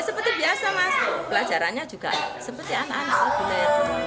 ya seperti biasa mas pelajarannya juga seperti anak anak